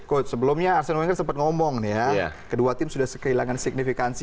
coach sebelumnya arsenal inggris sempat ngomong nih ya kedua tim sudah kehilangan signifikansi